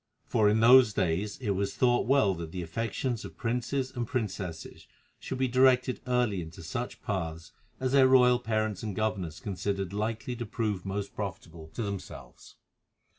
For in those days it was thought well that the affections of princes and princesses should be directed early into such paths as their royal parents and governors considered likely to prove most profitable to themselves.